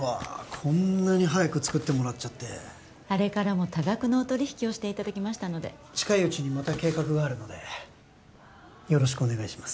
こんなに早く作ってもらっちゃってあれからも多額のお取引をしていただきましたので近いうちにまた計画があるのでよろしくお願いします